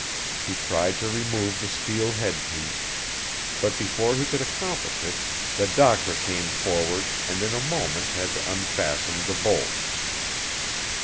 He tried to remove the steel headpiece, but before he could accomplish it the doctor came forward and in a moment had unfastened the bolts.